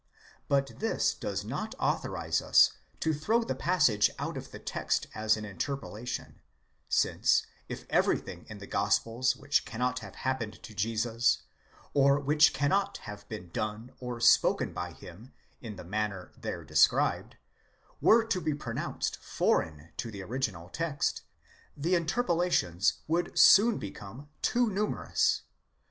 But this does not authorize us. to throw the passage out of the text as an interpolation,' since, if everything in the gospels which cannot have happened to Jesus, or which cannot have been done or spoken by him in the manner there described, were to be pro nounced foreign to the original text, the interpolations would soon become too numerous.